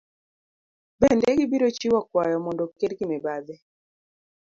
Bende gibiro chiwo kwayo mondo oked gi mibadhi.